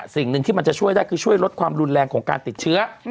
สิ่งหนึ่งที่มันจะช่วยได้คือช่วยลดความรุนแรงของการติดเชื้อ